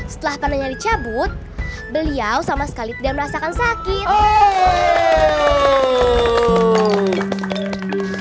setelah panennya dicabut beliau sama sekali tidak merasakan sakit